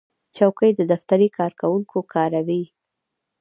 چوکۍ د دفتر کارکوونکي کاروي.